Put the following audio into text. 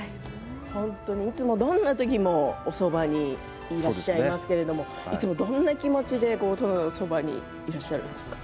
いつもどんな時もおそばにいらっしゃいますけれどどんな気持ちで殿のそばにいらっしゃるんですか？